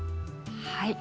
はい。